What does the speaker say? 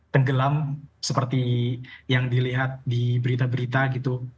tenggelam seperti yang dilihat di berita berita gitu